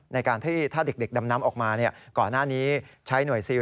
ในการที่ถ้าเด็กดำน้ำออกมาก่อนหน้านี้ใช้หน่วยซิล